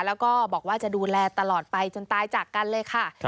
แล้วก็บอกว่าจะดูแลตลอดไปจนตายจากกันเลยค่ะ